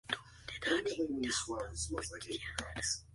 As the chorus praises love ("Febo tu ancora") Calipso leaves.